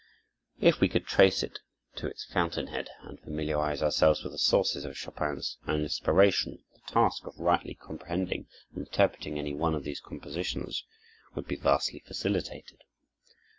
If we could trace it to its fountain head and familiarize ourselves with the sources of Chopin's own inspiration, the task of rightly comprehending and interpreting any one of these compositions would be vastly facilitated.